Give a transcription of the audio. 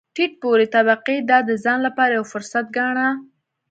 ټیټ پوړې طبقې دا د ځان لپاره یو فرصت ګاڼه.